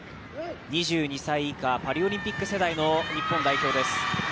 ２２歳以下、パリオリンピック世代の日本代表です。